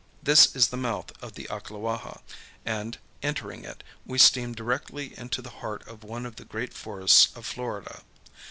This is the mouth of the Ocklawaha, and, entering it, we steam directly into the heart of one of the great forests of Florida.